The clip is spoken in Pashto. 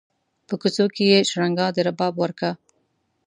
په کوڅو کې یې شرنګا د رباب ورکه